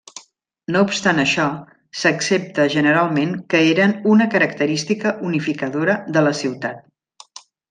No obstant això, s'accepta generalment que eren una característica unificadora de la ciutat.